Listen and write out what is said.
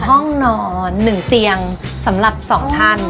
ห้องนอน๑เตียงสำหรับ๒ท่าน